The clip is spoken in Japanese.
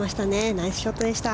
ナイスショットでした。